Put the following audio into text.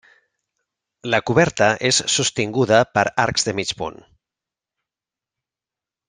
La coberta és sostinguda per arcs de mig punt.